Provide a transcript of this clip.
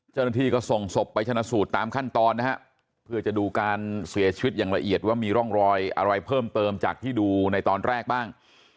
เจ้าหน้าที่ก็ส่งศพไปชนะสูตรตามขั้นตอนนะฮะเพื่อจะดูการเสียชีวิตอย่างละเอียดว่ามีร่องรอยอะไรเพิ่มเติมจากที่ดูในตอนแรกบ้าง